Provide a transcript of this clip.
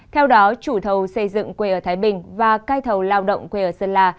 theo đó chủ thầu xây dựng quê ở thái bình và cai thầu lao động quê ở sơn la